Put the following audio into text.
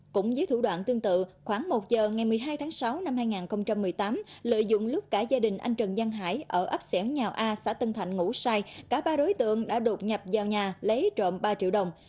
cũng với thủ đoạn tương tự khoảng một giờ ngày một mươi hai tháng sáu năm hai nghìn một mươi tám lợi dụng lúc cả gia đình anh trần giang hải ở ấp xẻo nhào a xã tân thạnh ngủ sai cả ba đối tượng đã đột nhập vào nhà lấy trộm ba triệu đồng